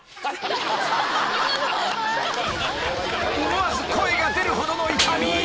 ［思わず声が出るほどの痛み。